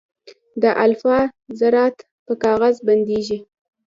د الفا ذرات په کاغذ هم بندېږي.